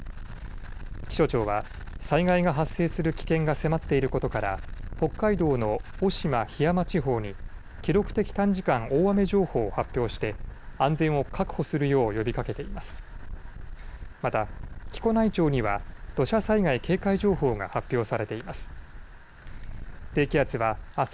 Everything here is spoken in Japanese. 気象庁は災害が発生する危険が迫っていることから北海道の渡島・桧山地方に記録的短時間大雨情報を発表して安全を確保するよう呼びかけています。